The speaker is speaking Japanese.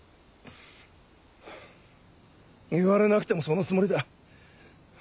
言われなくてもそのつもりだ。